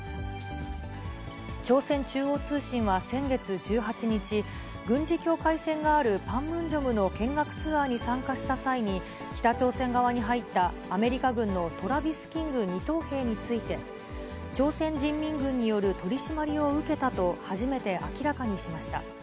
朝鮮中央通信は先月１８日、軍事境界線があるパンムンジョムの見学ツアーに参加した際に、北朝鮮側に入った、アメリカ軍のトラビス・キング２等兵について、朝鮮人民軍による取締りを受けたと、初めて明らかにしました。